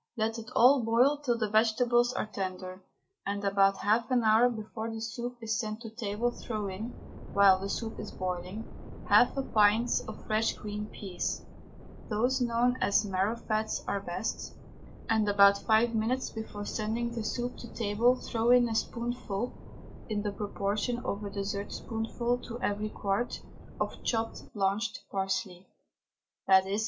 Let it all boil till the vegetables are tender, and about half an hour before the soup is sent to table throw in, while the soup is boiling, half a pint of fresh green peas those known as marrowfats are best, and about five minutes before sending the soup to table throw in a spoonful (in the proportion of a dessertspoonful to every quart) of chopped, blanched parsley _i.e.